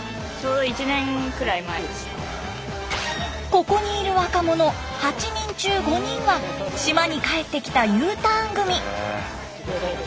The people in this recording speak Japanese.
ここにいる若者８人中５人は島に帰ってきたＵターン組。